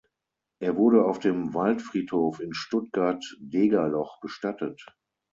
Er wurde auf dem Waldfriedhof in Stuttgart-Degerloch bestattet.